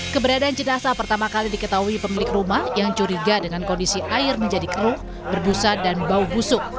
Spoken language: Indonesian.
keberadaan jenazah pertama kali diketahui pemilik rumah yang curiga dengan kondisi air menjadi keruh berbusa dan bau busuk